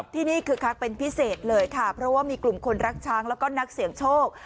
ที่นี่คือคักเป็นพิเศษเลยค่ะเพราะว่ามีกลุ่มคนรักช้างแล้วก็นักเสี่ยงโชค